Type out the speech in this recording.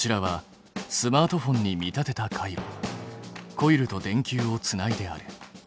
コイルと電球をつないである。